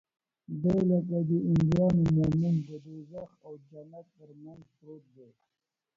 دى لکه د هندوانو مومن د دوږخ او جنت تر منځ پروت دى.